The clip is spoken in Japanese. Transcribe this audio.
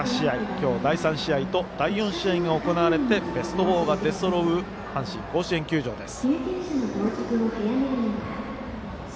今日、第３試合と、第４試合が行われて、ベスト４が出そろう阪神甲子園球場です。